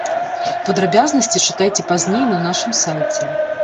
Падрабязнасці чытайце пазней на нашым сайце.